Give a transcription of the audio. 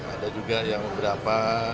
ada juga yang beberapa